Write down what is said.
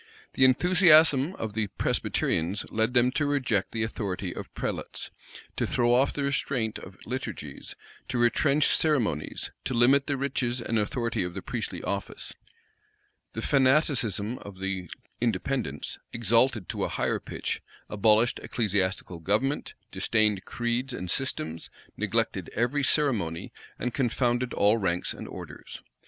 The enthusiasm of the Presbyterians led them to reject the authority of prelates, to throw off the restraint of liturgies, to retrench ceremonies, to limit the riches and authority of the priestly office: the fanaticism of the Independents, exalted to a higher pitch, abolished ecclesiastical government, disdained creeds and systems, neglected every ceremony, and confounded all ranks and orders.